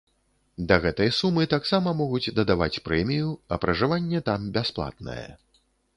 Да гэтай сумы таксама могуць дадаваць прэмію, а пражыванне там бясплатнае.